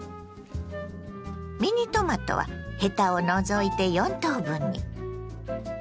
ミニトマトはヘタを除いて４等分に。